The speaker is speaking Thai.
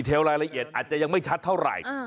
รายละเอียดอาจจะยังไม่ชัดเท่าไหร่